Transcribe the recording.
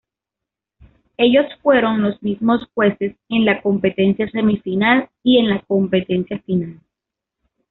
Ellos fueron los mismos jueces en la Competencia Semifinal y en la Competencia Final.